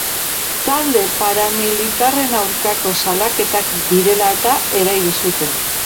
Talde paramilitarren aurkako salaketak direla-eta erail zuten.